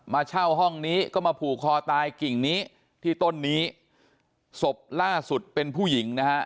เช่าห้องนี้ก็มาผูกคอตายกิ่งนี้ที่ต้นนี้ศพล่าสุดเป็นผู้หญิงนะฮะ